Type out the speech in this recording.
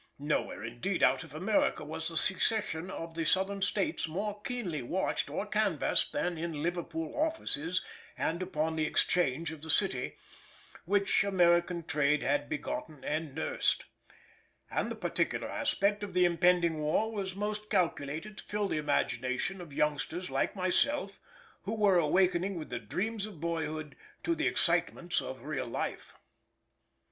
Nowhere indeed out of America was the secession of the Southern States more keenly watched or canvassed than in Liverpool offices and upon the Exchange of the city, which American trade had begotten and nursed; and the particular aspect of the impending war was most calculated to fill the imagination of youngsters like myself, who were awakening from the dreams of boyhood to the excitements of real life.